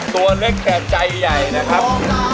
ตัวเล็กแต่ใจใหญ่นะครับ